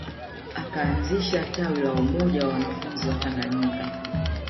Akaanzisha tawi la Umoja wa wanafunzi Watanganyika